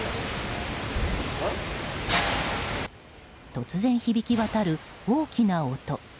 突然響き渡る大きな音。